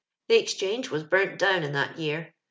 The Exchange was burnt down in that year.